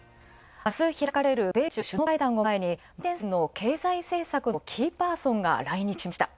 明日開かれる米中首脳会談を前にバイデン政権の経済政策のキーパーソンが来日しました。